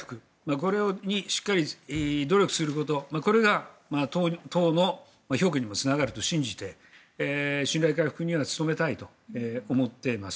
これにしっかり努力することこれが党の評価にもつながると信じて信頼回復に努めたいと思っています。